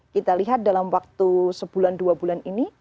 kita lihat dalam waktu sebulan dua bulan ini